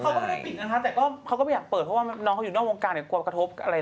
เค้าเขาถึงแบบค่ิดนะคะซึ่งก็อยากเปิด